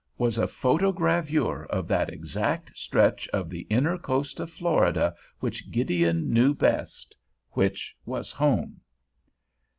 —was a photogravure of that exact stretch of the inner coast of Florida which Gideon knew best, which was home.